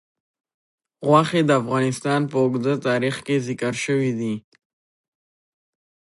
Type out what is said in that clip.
غوښې د افغانستان په اوږده تاریخ کې ذکر شوي دي.